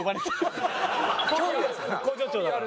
工場長だから。